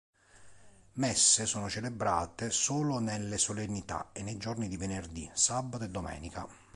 Messe sono celebrate solo nelle solennità e nei giorni di venerdì, sabato e domenica.